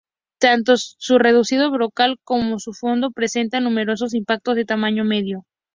Tanto su reducido brocal como su fondo presentan numerosos impactos de tamaño medio.